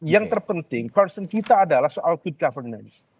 yang terpenting concern kita adalah soal good governance